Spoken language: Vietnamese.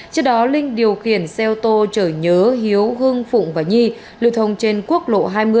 trước đó linh điều khiển xe ô tô chở nhớ hiếu hưng phụng và nhi lưu thông trên quốc lộ hai mươi